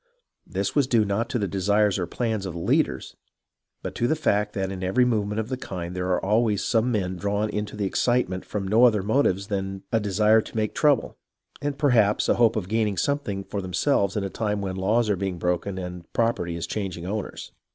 This was due not to the desires or plans of the leaders, but to the fact that in every movement of the kind there are always some men drawn into the excitement from no other motives than a desire to make trouble and, perhaps, a hope of gaining something for themselves in a time when laws are being broken and property is changing owners.